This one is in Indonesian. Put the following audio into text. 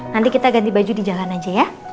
nanti kita ganti baju di jalan aja ya